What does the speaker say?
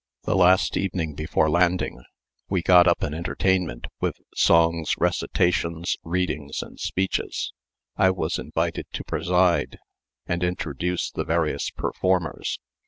The last evening before landing we got up an entertainment with songs, recitations, readings, and speeches. I was invited to preside and introduce the various performers.